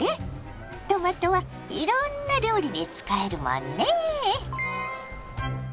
トマトはいろんな料理に使えるもんね。